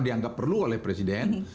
dia nggak perlu oleh presiden